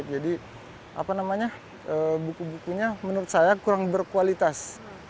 jadi apa namanya buku bukunya menurut saya kurang berkualitas